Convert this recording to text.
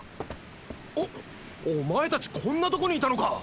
おっお前たちこんなとこにいたのか！